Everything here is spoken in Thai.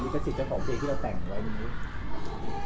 เสียดายไหมมันก็ในความรู้สึกมันก็ยังเป็นเพลง